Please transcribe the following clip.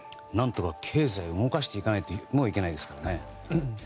何とか経済を動かしていかないといけないですからね。